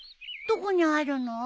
どこにあるの？